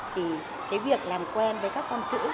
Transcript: thì cái việc làm quen với các con chữ